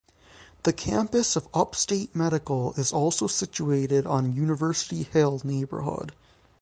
The campus of Upstate Medical is also situated on University Hill neighborhood.